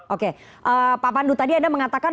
oke pak pandu tadi anda mengatakan